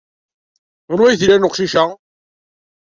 Anwa ay t-ilan weqcic-a?